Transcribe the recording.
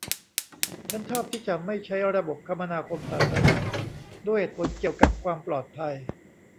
ฉันชอบที่จะไม่ใช้ระบบคมนาคมสาธารณะด้วยเหตุผลเกี่ยวกับความปลอดภัย